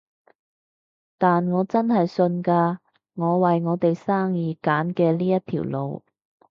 但我真係信㗎，我為我哋生意揀嘅呢一條路